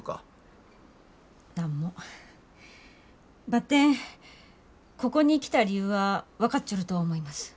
ばってんここに来た理由は分かっちょると思います。